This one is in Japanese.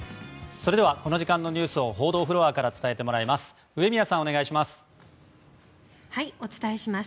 それではこの時間のニュースを報道フロアから伝えてもらいます上宮さん、お願いします。